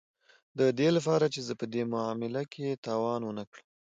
د دې لپاره چې زه په دې معامله کې تاوان ونه کړم